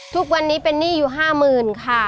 ทุกวันนี้เป็นนี่อยู่ห้าหมื่นค่ะ